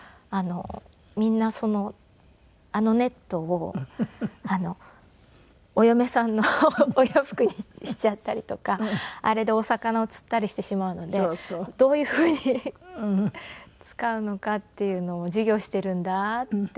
みんなあのネットをお嫁さんのお洋服にしちゃったりとかあれでお魚を釣ったりしてしまうのでどういうふうに使うのかっていうのを授業しているんだって。